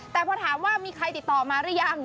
แต่พอถามว่ามีใครติดต่อมาหรือยัง